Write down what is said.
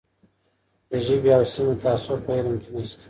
د ژبې او سیمې تعصب په علم کې نسته.